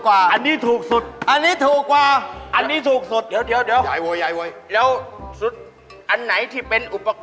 ไอ้เครื่องขาลูกฟันเนี่ยย้ายกระเทียบไม่ถูก